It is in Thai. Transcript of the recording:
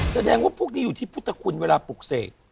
แสดงว่าพวกนี้อยู่ที่พุทธคุณเวลาปลูกเสก